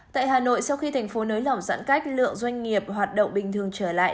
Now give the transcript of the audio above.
tại hà nội sau khi thành phố nới lỏng giãn cách lượng doanh nghiệp hoạt động bình thường trở lại